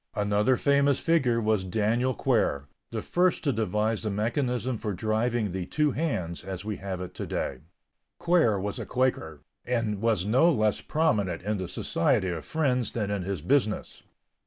Another famous figure was Daniel Quare, the first to devise the mechanism for driving the two hands as we have it to day. Quare was a Quaker, and was no less prominent in the Society of Friends than in his business.